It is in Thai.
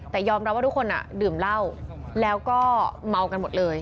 แต่ยอมรับว่าทุกคนดื่มเหล้าแล้วก็เมากันหมดเลย